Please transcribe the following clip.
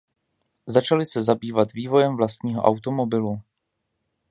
Začali se zabývat vývojem vlastního automobilu.